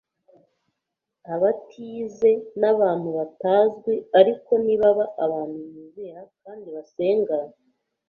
abatize n’abantu batazwi, ari ko nibaba abantu bizera kandi basenga,